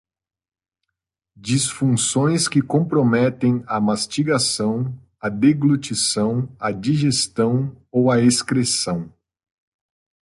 Disfunções que comprometem a mastigação, a deglutição, a digestão ou a excreção.